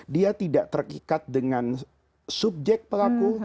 dia tidak terikat dengan subjek pelaku